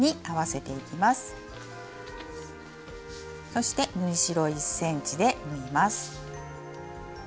そして縫い代１ｃｍで縫います。